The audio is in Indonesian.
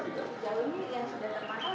jauh ini yang sudah terpangkal udah berapa